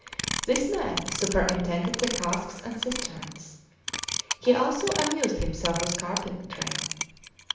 This man superintended the casks and cisterns; he also amused himself with carpentering.